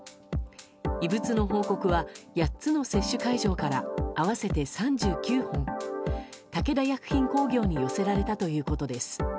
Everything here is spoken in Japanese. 異物の報告は８つの接種会場から合わせて３９本武田薬品工業に寄せられたということです。